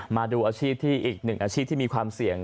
มาดูอาชีพที่อีกหนึ่งอาชีพที่มีความเสี่ยง